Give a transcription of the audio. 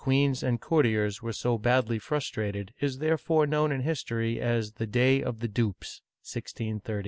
queens and courtiers were so badly frustrated is therefore known in history as the "Day of Dupes " (1630).